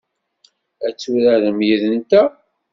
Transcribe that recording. Ad turarem yid-nteɣ?